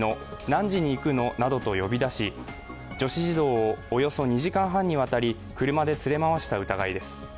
何時に行くの？などと呼び出し女子児童をおよそ２時間半にわたり車で連れ回した疑いです。